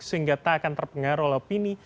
sehingga tak akan terpengaruh oleh opini